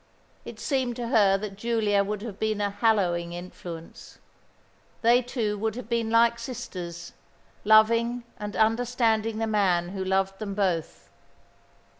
It seemed to her that Giulia would have been a hallowing influence. They two would have been like sisters, loving and understanding the man who loved them both.